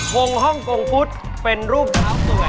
งฮ่องกงพุทธเป็นรูปเท้าสวย